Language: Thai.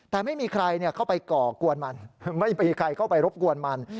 แต่ไม่มีใครเข้าไปก่อกวนมันไม่มีใครเข้าไปรบกวนมัน